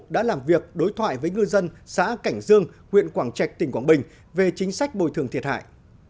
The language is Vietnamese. đã làm việc đối thoại với ngư dân xã cảnh dương huyện quảng trạch tỉnh quảng bình về chính sách bồi thường thiệt hại